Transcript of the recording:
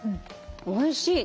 おいしい。